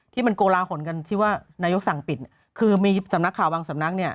ที่มันโกลาหลกันที่ว่านายกสั่งปิดคือมีสำนักข่าวบางสำนักเนี่ย